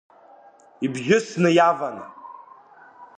Ибжьысны иаван.